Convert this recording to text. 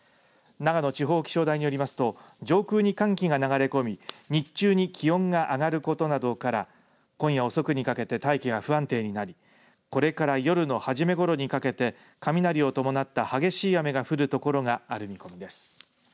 長野地方気象台によりますと上空に寒気が流れ込み日中に気温が上がることなどから今夜遅くにかけて大気が不安定になりこれから夜の初めごろにかけて雷を伴った激しい雨が降る所がある見込みです。